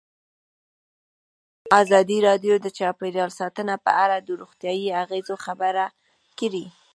ازادي راډیو د چاپیریال ساتنه په اړه د روغتیایي اغېزو خبره کړې.